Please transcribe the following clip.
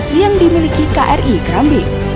spesifikasi yang dimiliki kri kerambit